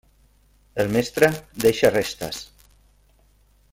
El mestre deixa restes.